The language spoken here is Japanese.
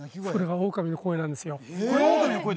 オオカミの声なんですよ